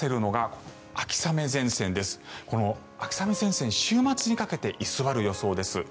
この秋雨前線週末にかけて居座る予想です。